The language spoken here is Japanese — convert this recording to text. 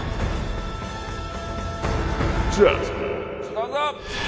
どうぞ！